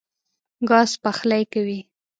ګاز پخلی کوي.